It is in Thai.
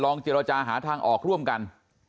เจรจาหาทางออกร่วมกัน